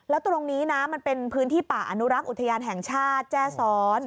แล้วตรงนี้นะมันเป็นพื้นที่ป่าอนุรักษ์อุทยานแห่งชาติแจ้ซ้อน